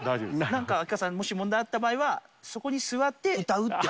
何か秋川さんに、もし問題があった場合は、そこに座って歌うと。